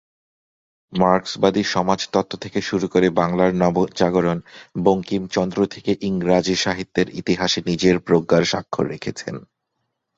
মার্কসবাদী সমাজতত্ত্ব থেকে শুরু করে বাংলার নবজাগরণ, বঙ্কিমচন্দ্র থেকে ইংরাজী সাহিত্যের ইতিহাসে নিজের প্রজ্ঞার স্বাক্ষর রেখেছেন।